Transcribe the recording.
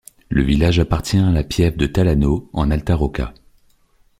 Le village appartient à la piève de Tallano, en Alta Rocca.